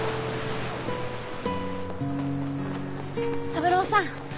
三郎さん。